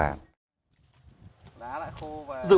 đã lại khô và